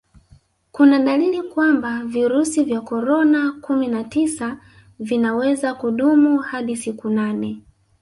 kuna dalili kwamba virusi vya korona kumi na tisa vinaweza kudumu hadi siku nane